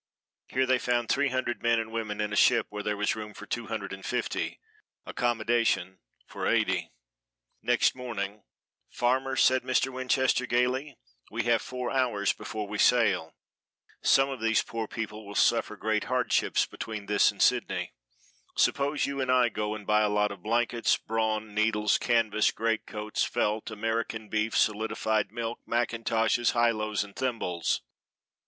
Here they found three hundred men and women in a ship where there was room for two hundred and fifty, accommodation for eighty. Next morning, "Farmer," said Mr. Winchester gayly, "we have four hours before we sail some of these poor people will suffer great hardships between this and Sydney; suppose you and I go and buy a lot of blankets, brawn, needles, canvas, greatcoats, felt, American beef, solidified milk, Macintoshes, high lows and thimbles.